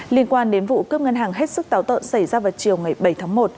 liên quan đến vụ cướp ngân hàng hết sức táo tợn xảy ra vào chiều ngày bảy tháng một